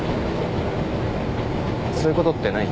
そういうことってない？